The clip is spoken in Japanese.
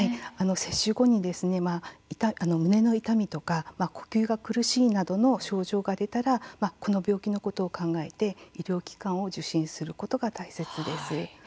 接種後に胸の痛みとか呼吸が苦しいなどの症状が出たらこの病気のことを考えて医療機関を受診することが大切です。